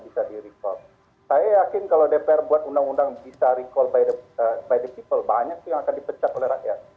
saya yakin kalau dpr buat undang undang bisa recall by the people banyak tuh yang akan dipecat oleh rakyat